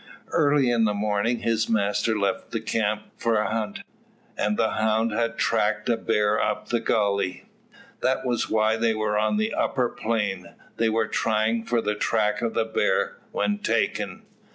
Early in the morning, his master left the camp for a hunt, and the hound had tracked a bear up the gully. That was why they were on the upper plain; they were trying for the track of the bear, when taken.